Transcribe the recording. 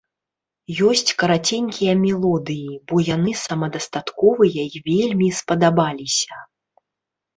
Ёсць караценькія мелодыі, бо яны самадастатковыя і вельмі спадабаліся.